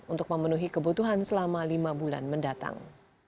untuk memenuhi kebutuhan selama lima bulan mendatang